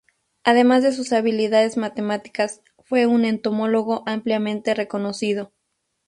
Además de sus habilidades matemáticas, fue un entomólogo ampliamente reconocido.